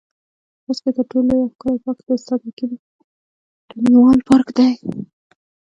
خوست کې تر ټولو لوى او ښکلى پارک د استاد حکيم تڼيوال پارک دى.